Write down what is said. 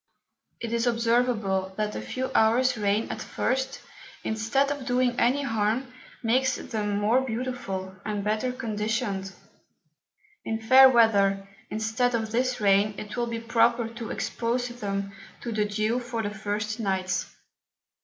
It is observable, that a few hours Rain at first, instead of doing any harm, makes them more beautiful, and better conditioned. In fair Weather, instead of this Rain, it will be proper to expose them to the Dew for the first Nights.